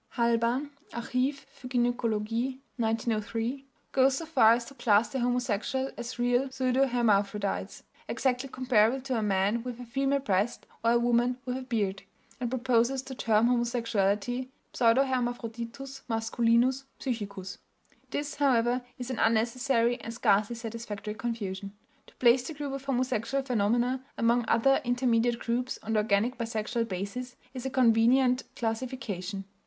Halban (Archiv für Gynäkologie 1903) goes so far as to class the homosexual as "real pseudohermaphrodites," exactly comparable to a man with a female breast or a woman with a beard, and proposes to term homosexuality "pseudohermaphroditus masculinus psychicus." This, however, is an unnecessary and scarcely satisfactory confusion. To place the group of homosexual phenomena among other intermediate groups on the organic bisexual basis is a convenient classification.